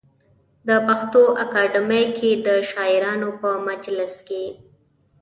د پښتو اکاډمۍ کې د شاعرانو په مجلس کې.